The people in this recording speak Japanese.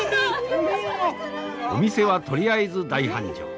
お店はとりあえず大繁盛。